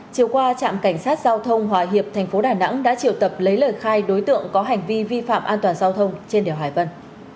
chiều qua trạm cảnh sát giao thông hòa hiệp tp đà nẵng đã triệu tập lấy lời khai đối tượng có hành vi vi phạm an toàn giao thông trên đèo hải vân